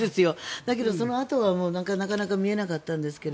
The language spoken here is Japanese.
だけど、そのあとがなかなか見えなかったんですが。